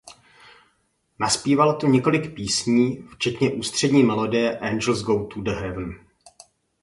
Nazpívala tu několik písní včetně ústřední melodie „Angels Go The Heaven“.